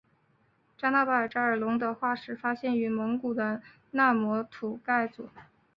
扎纳巴扎尔龙的化石发现于蒙古的纳摩盖吐组。